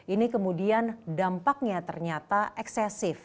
ini kemudian dampaknya ternyata eksesif